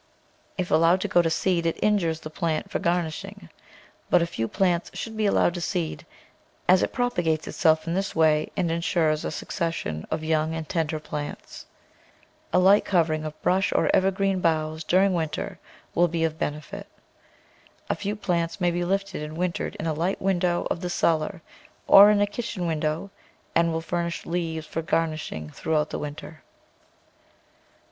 If allowed to go to seed it injures the plant for garnishing, but a few plants should be allowed to seed, as it propagates itself in this way and insures a succession of young and tender plants. A light covering of brush or evergreen boughs during win ter will be of benefit. A few plants may be lifted and wintered in a light window of the cellar or in a kitchen window and will furnish leaves for gar nishing throughout the winter.